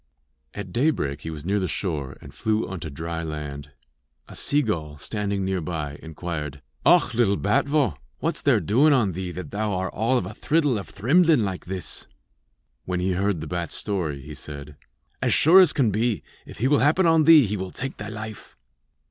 At daybreak he was near the shore and flew unto dry land. A seagull, standing near by, inquired: 'Och, lil bat vogh, what's there doin on thee that thou are all of a thriddle of thrimblin like this?' When he heard the bat's story, he said: 'As sure as can be, if he will happen on thee, he will take thy life.'